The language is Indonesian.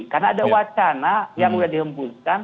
karena ada wacana yang sudah dihembuskan